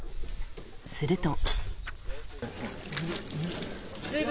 すると。